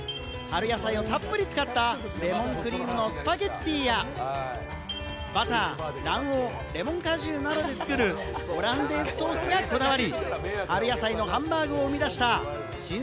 春野菜をたっぷり使ったレモンクリームのスパゲッティや、バター、卵黄、レモン果汁などでつくる、オランデーズソースがこだわり。